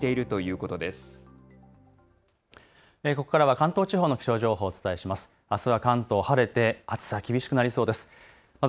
ここからは関東地方の気象情報をお伝えします。